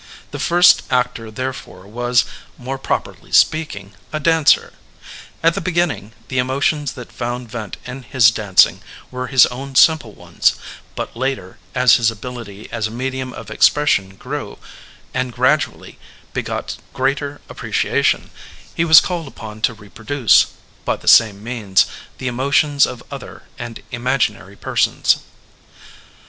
The first actor therefore was, more properly speaking, a dancer. At the beginning, the emotions that found vent in his dancing were his own simple ones; but later, as his ability as a medium of expression grew and gradually begot greater appreciation, he was called upon to reproduce, by the same means, the emotions of other and imaginary persons.